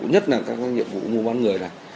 nhất là các nhiệm vụ mua bán người này